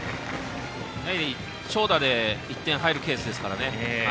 長打で１点入るケースですからね。